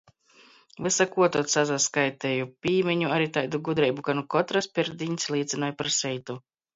Vysakuo tod sasaskaiteju. Pīmiņu ari taidu gudreibu, ka na kotrys pirdīņs līcynoj par seitu.